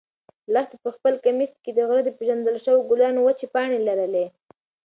لښتې په خپل کمیس کې د غره د پېژندل شوو ګلانو وچې پاڼې لرلې.